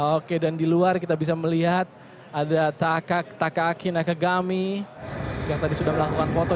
oke dan di luar kita bisa melihat ada takakin akagami yang tadi sudah melakukan foto